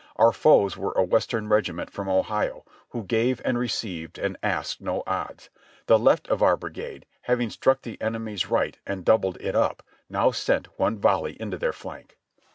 Our foes were a ^Vestern regiment from Ohio, who gave and received and asked no odds. The left of our brigade having struck the enemy's right and doubled it up, now sent one volley into their flank.